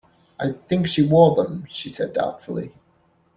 "I think she wore them," she said doubtfully.